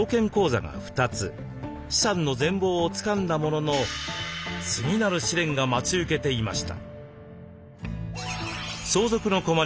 資産の全貌をつかんだものの次なる試練が待ち受けていました。